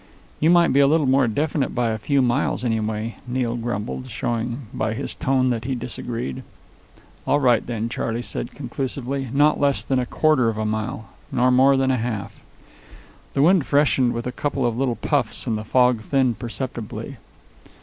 "You might be a little more definite by a few miles, anyway," Neil grumbled, showing by his tone that he disagreed. "All right, then," Charley said, conclusively, "not less than a quarter of a mile, nor more than a half." The wind freshened with a couple of little puffs, and the fog thinned perceptibly.